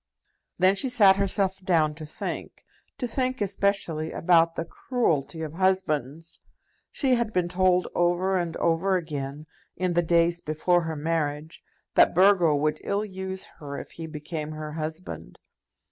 Then she sat herself down to think, to think especially about the cruelty of husbands. She had been told over and over again, in the days before her marriage, that Burgo would ill use her if he became her husband.